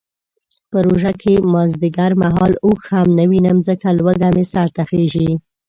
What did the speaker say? په روژه کې مازدیګر مهال اوښ هم نه وینم ځکه لوږه مې سرته خیژي.